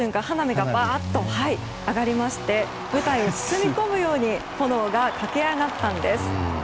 花火がバーッと上がりまして舞台を包み込むように炎が駆け上がったんです。